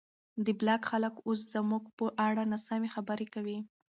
د بلاک خلک اوس زموږ په اړه ناسمې خبرې کوي.